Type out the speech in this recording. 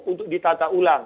untuk ditata ulang